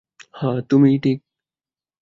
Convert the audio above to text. হ্যাঁ, তুমিই ঠিক!